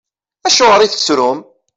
Acuɣeṛ i tettrum?